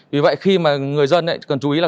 vì vậy khi mà người dân cần chú ý là